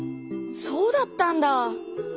そうだったんだ。